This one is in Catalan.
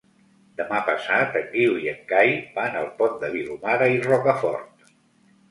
Demà passat en Guiu i en Cai van al Pont de Vilomara i Rocafort.